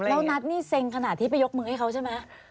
แล้วนัทนี่เซ็งขนาดที่ไปยกมือให้เขาใช่ไหม